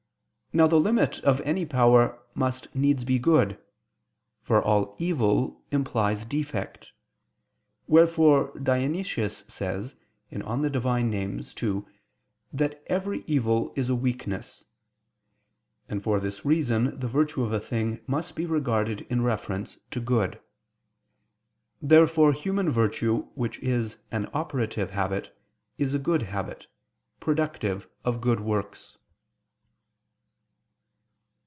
Now the limit of any power must needs be good: for all evil implies defect; wherefore Dionysius says (Div. Hom. ii) that every evil is a weakness. And for this reason the virtue of a thing must be regarded in reference to good. Therefore human virtue which is an operative habit, is a good habit, productive of good works.